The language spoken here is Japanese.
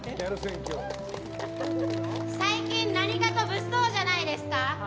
最近、何かと物騒じゃないですか。